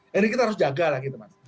jadi kita harus jaga lah gitu mas